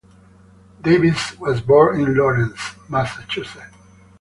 Davis was born in Lawrence, Massachusetts.